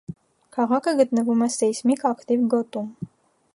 Քաղաքը գտնվում է սեյսմիկ ակտիվ գոտում։